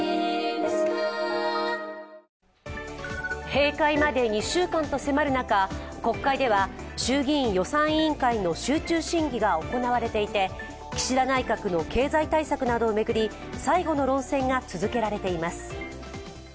閉会まで２週間と迫る中国会では衆議院予算委員会の集中審議が行われていて、岸田内閣の経済対策などを巡り、最後の論戦が続けられています。